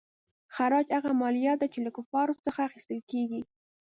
خراج هغه مالیه ده چې له کفارو څخه اخیستل کیږي.